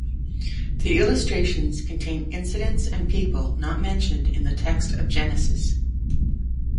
The illustrations contain incidents and people not mentioned in the text of Genesis.